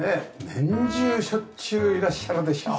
年中しょっちゅういらっしゃるでしょう？